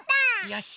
よし！